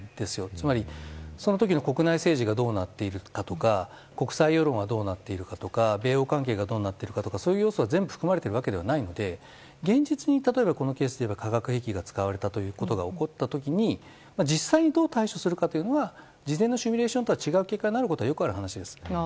つまり、その時の国内政治がどうなっているかとか国際世論がどうなっているかとか米露関係がどうなっているかどうかの要素が全部含まれているわけではないので現実に例えばこのケースで言えば化学兵器が使われたということが起こった時に実際にどう対処するかは事前のシミュレーションと違う結果になることはよくある話です。